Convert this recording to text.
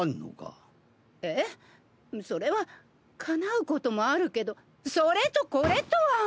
（小百合それはかなうこともあるけどそれとこれとは！